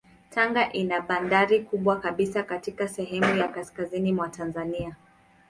Tanga ina bandari kubwa kabisa katika sehemu ya kaskazini mwa Tanzania.